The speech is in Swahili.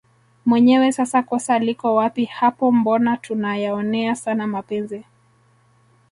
mwenyewe sasa kosa liko wapi hapo mbona tuna yaonea sana mapenzi